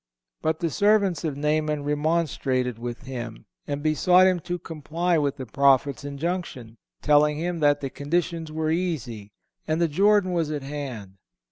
(464) But the servants of Naaman remonstrated with him, and besought him to comply with the prophet's injunction, telling him that the conditions were easy and the Jordan was at hand.